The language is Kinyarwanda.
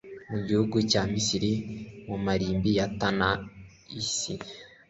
mu gihugu cya Misiri mu mirambi ya Tanisi